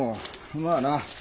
まあな。